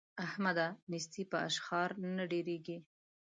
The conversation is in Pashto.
احمده! نېستي په اشخار نه ډېرېږي.